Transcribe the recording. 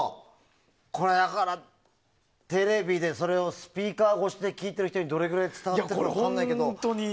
だから、テレビでそれをスピーカー越しで聴いてる人にどれぐらい伝わってるか分からないけど。